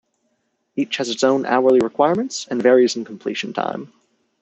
Each has its own hourly requirements and varies in completion time.